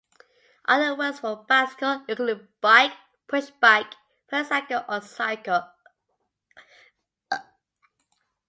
Other words for bicycle include "bike", "pushbike", "pedal cycle", or "cycle".